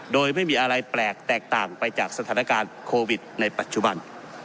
โดยไม่มีอะไรแปลกแตกต่างไปจากสถานการณ์โควิดในปัจจุบัน